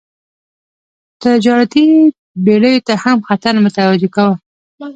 تجارتي بېړیو ته هم خطر متوجه کاوه.